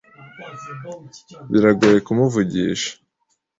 Biragoye kumuvugisha.